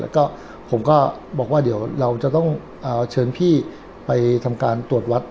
แล้วก็ผมก็บอกว่าเดี๋ยวเราจะต้องเชิญพี่ไปทำการตรวจวัด